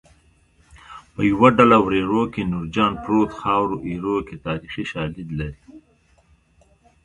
په یوه ډله وریرو کې نورجان پروت خاورو ایرو کې تاریخي شالید لري